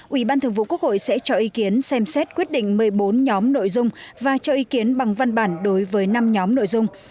ủy ban thường vụ quốc hội sẽ cho ý kiến xem xét quyết định một mươi bốn nhóm nội dung và cho ý kiến bằng văn bản đối với năm nhóm nội dung